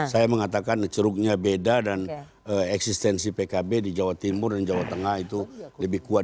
saya mengatakan ceruknya beda dan eksistensi pkb di jawa timur dan jawa tengah itu lebih kuat